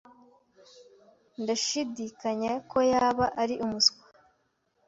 Ndashidikanya ko yaba ari umuswa.